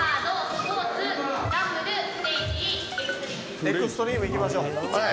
エクストリームでいきましょう。